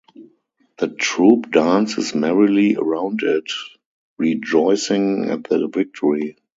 The troop dances merrily around it, rejoicing at the victory.